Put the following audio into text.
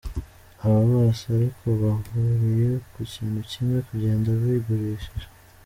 Aba bose ariko bahuriye ku kintu kimwe: Kugenda bigurishije.